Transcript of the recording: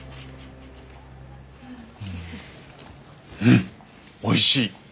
うんおいしい。